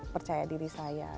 percaya diri saya